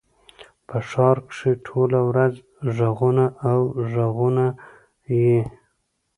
په ښار کښي ټوله ورځ ږغونه او ږغونه يي.